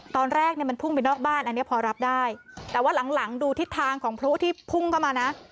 ตอนแรกเนี่ยมันพุ่งไปนอกบ้านอันนี้พอรับได้แต่ว่าหลังหลังดูทิศทางของพลุที่พุ่งเข้ามานะ